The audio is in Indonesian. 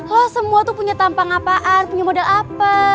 lo semua tuh punya tampang apaan punya modal apa